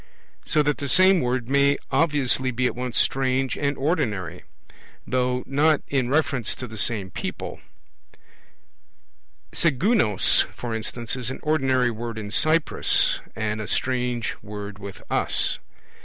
So that the same word may obviously be at once strange and ordinary, though not in reference to the same people; sigunos, for instance, is an ordinary word in Cyprus, and a strange word with us.